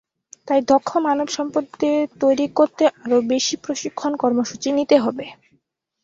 তাই দক্ষ মানবসম্পদে তৈরি করতে আরও বেশি প্রশিক্ষণ কর্মসূচি নিতে হবে।